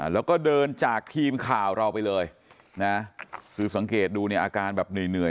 แล้วก็เดินจากทีมข่าวเราไปเลยนะคือสังเกตดูเนี่ยอาการแบบเหนื่อย